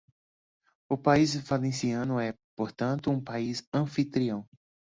O país valenciano é, portanto, um país anfitrião.